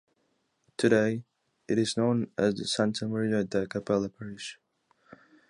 Today, it is known as the Santa Maria da Capela parish.